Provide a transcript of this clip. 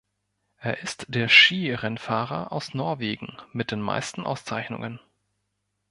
Er ist der Skirennfahrer aus Norwegen mit den meisten Auszeichnungen.